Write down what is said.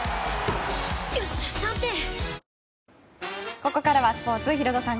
ここからはスポーツヒロドさん